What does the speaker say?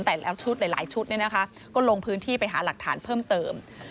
แต่แล้วชุดหลายชุดก็ลงพื้นที่ไปหาหลักฐานเพิ่มเติม